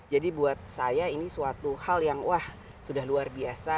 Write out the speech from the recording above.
jadi buat saya ini suatu hal yang wah sudah luar biasa